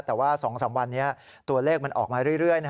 แต่ว่า๒๓วันนี้ตัวเลขมันออกมาเรื่อย